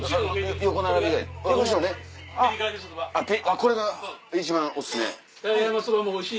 これが一番おすすめ？